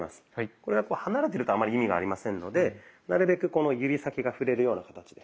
これがこう離れてるとあんまり意味がありませんのでなるべくこの指先が触れるような形で。